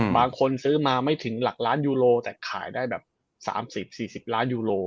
บางคนซื้อมาไม่ถึงหลักล้านยูโรแต่ขายได้แบบ๓๐๔๐ล้านยูโร